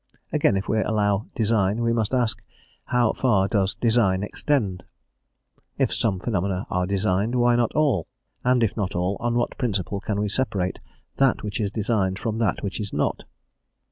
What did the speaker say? Again, if we allow design we must ask, "how far does design extend?" If some phenomena are designed, why not all? And if not all, on what principle can we separate that which is designed from that which is not?